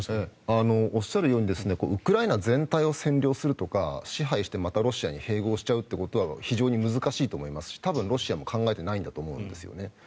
おっしゃるようにウクライナ全体を占領するとか支配してまたロシアに併合しちゃうということは非常に難しいと思いますしロシアも多分考えていないと思うんですね。